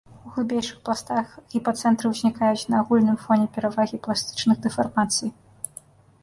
У глыбейшых пластах гіпацэнтры ўзнікаюць на агульным фоне перавагі пластычных дэфармацый.